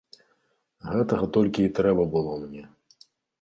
Гэтага толькі і трэба было мне.